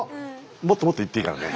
もっともっと言っていいからね。